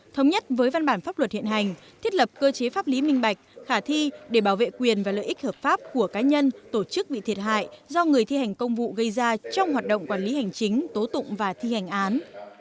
thống nhất với văn bản pháp luật hiện hành thiết lập cơ chế pháp lý minh bạch khả thi để bảo vệ quyền và lợi ích hợp pháp của cá nhân tổ chức bị thiệt hại do người thi hành công vụ gây ra trong hoạt động quản lý hành chính tố tụng và thi hành án